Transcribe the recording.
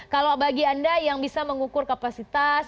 kalau bagi anda yang bisa mengukur kapasitas